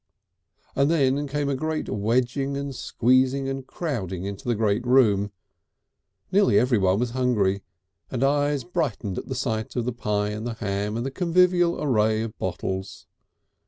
And then came a great wedging and squeezing and crowding into the little room. Nearly everyone was hungry, and eyes brightened at the sight of the pie and the ham and the convivial array of bottles.